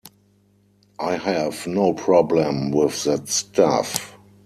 I have no problem with that stuff.